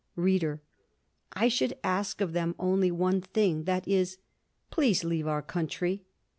READER: I should ask of them only one thing that is: "Please leave our country."